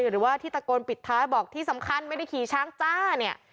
หรือว่าที่ตะโกนปิดท้ายบอกที่สำคัญไม่ได้ขี่ช้างจ้าเนี่ย